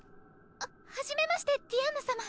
ははじめましてディアンヌ様。